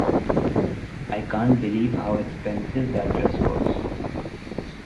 I can't believe how expensive that dress was.